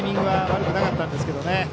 悪くなかったんですが。